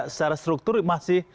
secara struktur masih